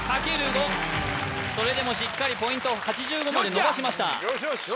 ５それでもしっかりポイント８５まで伸ばしましたよっしゃ！